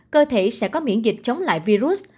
cơ thể sẽ có miễn dịch chống lại virus